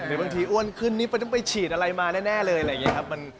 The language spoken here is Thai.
บางทีอ้วนขึ้นนี่มันต้องไปฉีดอะไรมาแน่เลยอะไรอย่างนี้ครับ